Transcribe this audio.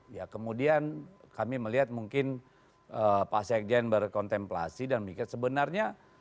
ya kemudian kami melihat mungkin pak sekjen berkontemplasi dan mikir sebenarnya